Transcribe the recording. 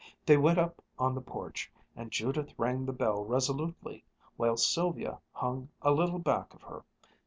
They went up on the porch, and Judith rang the bell resolutely, while Sylvia hung a little back of her.